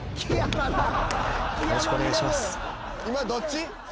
今どっち？